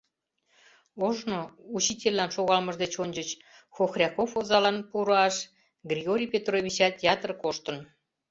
Ожно, учительлан шогалмыж деч ончыч, Хохряков озалан пу руаш Григорий Петровичат ятыр коштын.